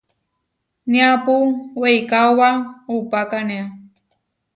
Niápu weikaóba upákanea.